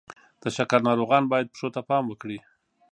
د شکر ناروغان باید پښو ته پام وکړي.